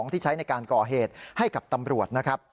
ที่ใช้ในการก่อเหตุให้กับตำรวจนะครับ